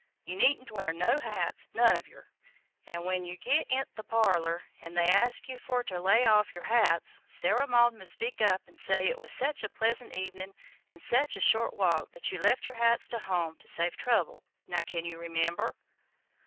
You needn't wear no hats, none of yer, en' when yer get int' the parlor 'n they ask yer ter lay off yer hats, Sarah Maud must speak up an' say it was sech a pleasant evenin' an' sech a short walk that you left yer hats to home to save trouble. Now, can you remember?"